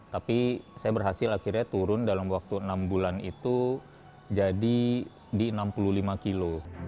tapi saya berhasil akhirnya turun dalam waktu enam bulan itu jadi di enam puluh lima kilo